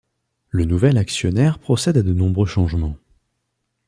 Le nouvel actionnaire procède à de nombreux changements.